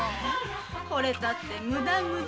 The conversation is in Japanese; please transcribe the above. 惚れたって無駄無駄！